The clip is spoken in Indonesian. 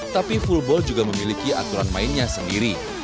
tapi full ball juga memiliki aturan mainnya sendiri